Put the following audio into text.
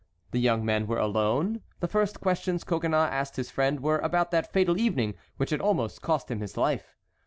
The young men were alone. The first questions Coconnas asked his friend were about that fatal evening which had almost cost him his life.